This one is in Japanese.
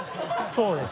そうですね。